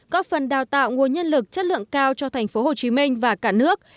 góp phần đào tạo nguồn nhân lực chất lượng cao cho tp hcm và cả nước